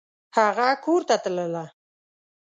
هغه کورته تلله !